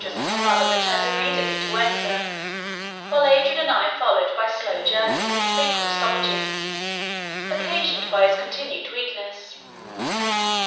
Idris and her mother returned immediately to Windsor, while Adrian and I followed by slow journies and frequent stoppages, occasioned by his continued weakness.